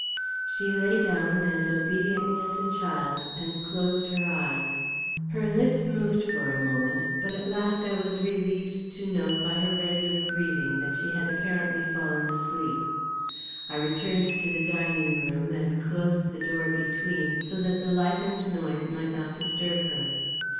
She lay down as obediently as a child, and closed her eyes. Her lips moved for a moment; but at last I was relieved to note by her regular breathing that she had apparently fallen asleep. I returned to the dining room and closed the door between, so that the light and noise might not disturb her.